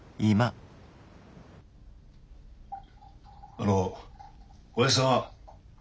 あのおやじさんは？